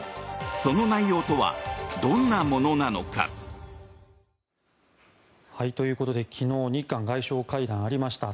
その内容とはどんなものなのか。ということで昨日日韓外相会談がありました。